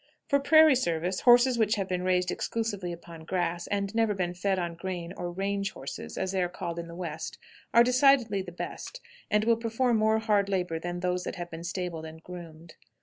For prairie service, horses which have been raised exclusively upon grass, and never been fed on grain, or "range horses," as they are called in the West, are decidedly the best, and will perform more hard labor than those that have been stabled and groomed.